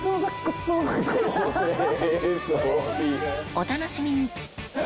お楽しみに！